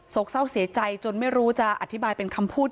เศร้าเสียใจจนไม่รู้จะอธิบายเป็นคำพูด